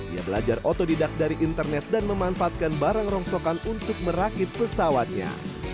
ia belajar otodidak dari internet dan memanfaatkan barang rongsokan untuk merakit pesawatnya